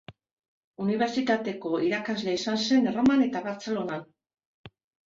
Unibertsitateko irakasle izan zen Erroman eta Bartzelonan.